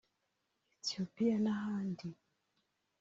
Ethiopia n’ahandi